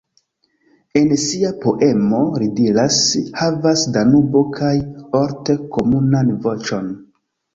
En sia poemo li diras: Havas Danubo kaj Olt komunan voĉon.